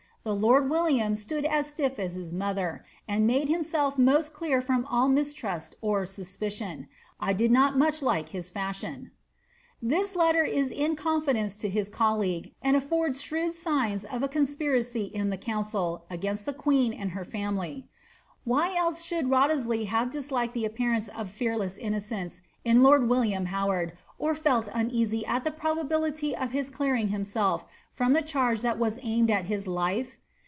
Tha loid WiIp liam atood at stiff at hit mother, and made himself moat clear firom tl mistrust or suspicion. 1 did not much like his fitthion.^ ' This loMfi it in confidence to his colleague, and affords shrewd aignt of a conqmacf in the council against the queen and her iamilj. Why elae ahoald Wriothesley have disliked the appearance of fearieta innocence in Imd William Howard, or felt uneasy at the probability of his clearing hioMsIf from the charge that was aimed at his life